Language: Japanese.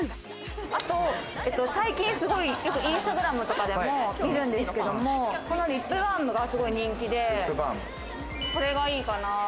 あと最近すごいインスタグラムとかでも見るんですけども、このリップバームがすごい人気で、これがいいかな。